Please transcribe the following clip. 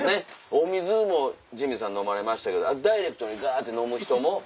お水もジミーさん飲まれましたけどダイレクトにガって飲む人も。